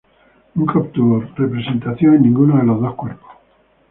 Nunca obtuvo representación en ninguno de los dos cuerpos.